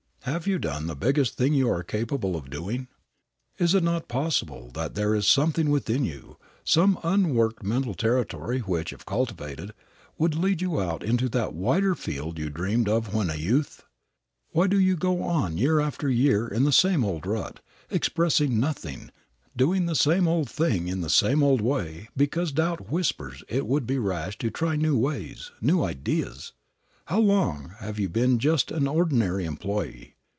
Have you done the biggest thing you are capable of doing? Is it not possible that there is something within you, some unworked mental territory which, if cultivated, would lead you out into that wider field you dreamed of when a youth? Why do you go on year after year in the same old rut, expressing nothing, doing the same old thing in the same old way because doubt whispers it would be rash to try new ways, new ideas? How long have you been just an ordinary employee?